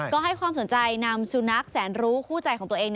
ก็ให้ความสนใจนำสุนัขแสนรู้คู่ใจของตัวเอง